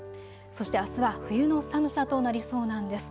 そしてあすは冬の寒さとなりそうなんです。